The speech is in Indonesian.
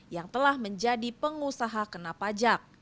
yang telah menjadi pengusaha kena pajak